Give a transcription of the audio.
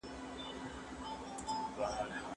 بله لار نسته دا حکم د ژوندون دی